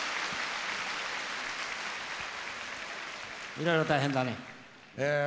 いろいろ大変だね。